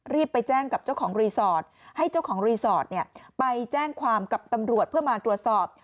ไปแจ้งกับเจ้าของรีสอร์ทให้เจ้าของรีสอร์ทไปแจ้งความกับตำรวจเพื่อมาตรวจสอบ